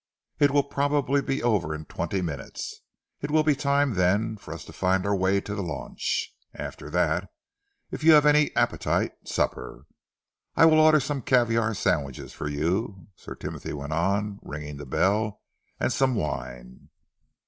It will probably be over in twenty minutes. It will be time then for us to find our way to the launch. After that, if you have any appetite, supper. I will order some caviare sandwiches for you," Sir Timothy went on, ringing the bell, "and some wine."